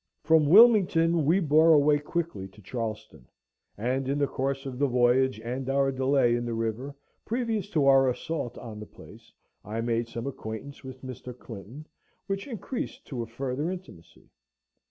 From Wilmington we bore away quickly to Charleston, and in the course of the voyage and our delay in the river, previous to our assault on the place, I made some acquaintance with Mr. Clinton, which increased to a further intimacy.